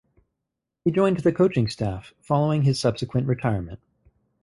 He joined the coaching staff following his subsequent retirement.